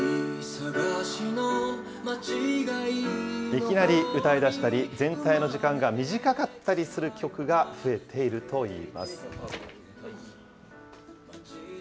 いきなり歌い出したり、全体の時間が短かったりする曲が増えているといいます。